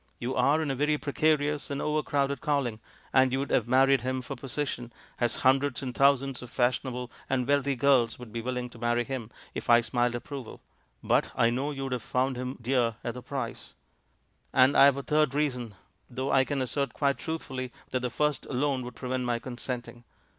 You are in a very precarious and overcrowded calling, and you'd have married him for position — as hundreds and thousands of fashionable and wealthy girls would be wilhng to marry him, if I smiled approval — but I know you'd have found him dear at the price. And I have a third reason, though I can assert quite truthfully that the first alone would prevent my consenting.